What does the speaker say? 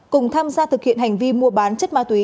cùng tham gia thực hiện hành vi mua bán chất ma túy